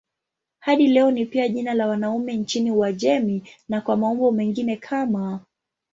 Hadi leo ni pia jina la wanaume nchini Uajemi na kwa maumbo mengine kama